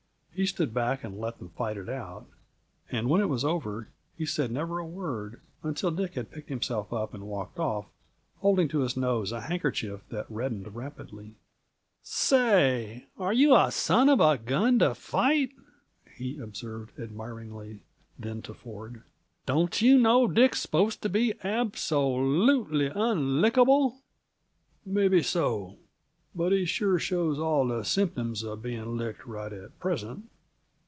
He stood back and let them fight it out, and when it was over he said never a word until Dick had picked himself up and walked off, holding to his nose a handkerchief that reddened rapidly. "Say, you are a son of a gun to fight," he observed admiringly then to Ford. "Don't you know Dick's supposed to be abso lute ly unlickable?" "May be so but he sure shows all the symptoms of being licked right at present."